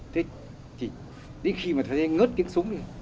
thế chỉ đến khi mà thời gian ngớt tiếng súng đi